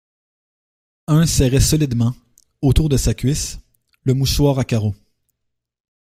Un serrait solidement, autour de sa cuisse, le mouchoir à carreaux.